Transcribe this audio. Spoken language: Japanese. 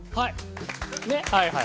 はい。